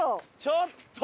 ちょっと！